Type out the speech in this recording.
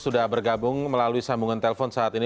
sudah bergabung melalui sambungan telepon saat ini